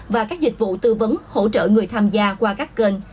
và các dịch vụ tư vấn hỗ trợ người tham gia qua các kênh